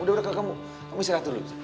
udah udah kak kamu istirahat dulu